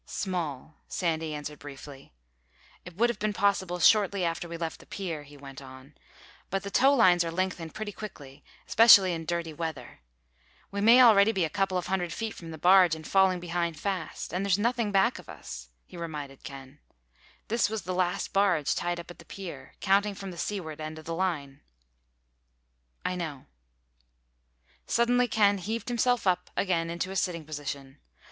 "Small," Sandy answered briefly. "It would have been possible shortly after we left the pier," he went on, "but the towlines are lengthened pretty quickly, especially in dirty weather. We may already be a couple of hundred feet from the barge, and falling behind fast. And there's nothing back of us," he reminded Ken. "This was the last barge tied up at the pier—counting from the seaward end of the line." "I know." Suddenly Ken heaved himself up again to a sitting position.